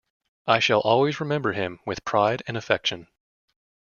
I shall always remember him with pride and affection.